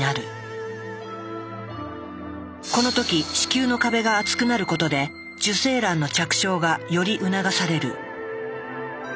この時子宮の壁が厚くなることで受精卵の着床がより促される。